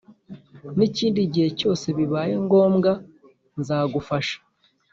n ikindi gihe cyose bibaye ngombwa nzagufasha